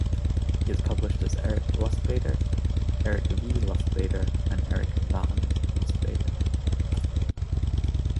He has published as Eric Lustbader, Eric V. Lustbader, and Eric Van Lustbader.